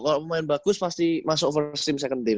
kalau pemain bagus pasti masuk over second team